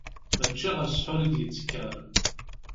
Mačči ɣer ssḥur i d-yettekkar.